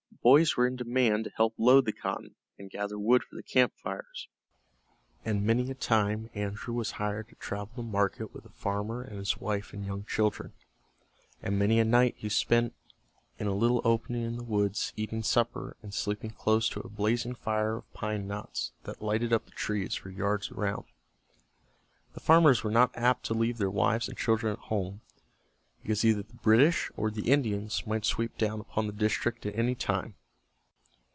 Boys were in demand to help load the cotton, and gather wood for the camp fires, and many a time Andrew was hired to travel to market with a farmer and his wife and young children, and many a night he spent in a little opening in the woods eating supper and sleeping close to a blazing fire of pine knots that lighted up the trees for yards around. The farmers were not apt to leave their wives and children at home, because either the British or the Indians might sweep down upon the district at any time.